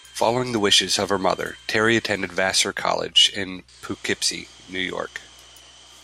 Following the wishes of her mother, Terry attended Vassar College in Poughkeepsie, New York.